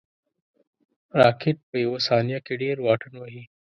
راکټ په یو ثانیه کې ډېر واټن وهي